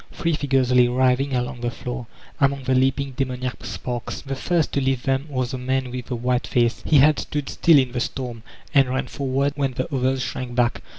Three figures lay writhing along the floor, among the leaping, demoniac sparks. The first to lift them was the Man with the white face. He had stood still in the storm, and ran forward when the others shrank back.